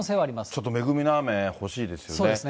ちょっと恵みの雨ほしいですよね。